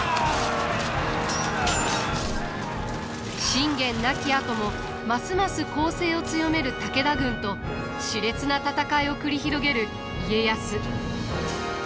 信玄亡きあともますます攻勢を強める武田軍としれつな戦いを繰り広げる家康。